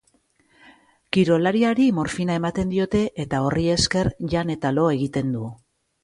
Kirolariari morfina ematen diote eta horri esker jan eta lo egiten du.